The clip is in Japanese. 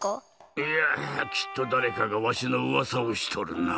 いやきっとだれかがわしのうわさをしとるな。